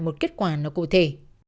một kết quả nào cụ thể